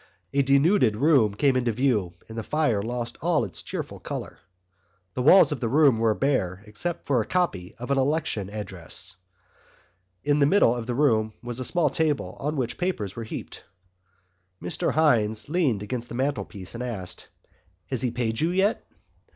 A denuded room came into view and the fire lost all its cheerful colour. The walls of the room were bare except for a copy of an election address. In the middle of the room was a small table on which papers were heaped. Mr Hynes leaned against the mantelpiece and asked: "Has he paid you yet?"